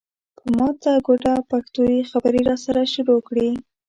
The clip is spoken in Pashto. په ماته ګوډه پښتو یې خبرې راسره شروع کړې.